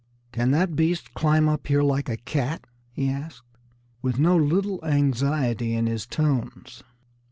"Can that beast climb up here, like a cat?" he asked, with no little anxiety in his tones.